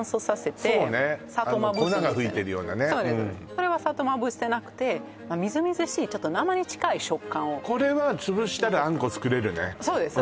これは砂糖まぶしてなくてみずみずしいちょっと生に近い食感をこれは潰したらあんこ作れるねそうです